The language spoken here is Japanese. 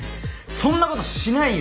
そんな事しないよ！